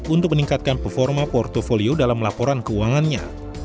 untuk meningkatkan performa portofolio dalam laporan keuangannya